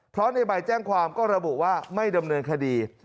เพราะในใบแจ้งความก็ระบุว่าไม่ดำเนินคดี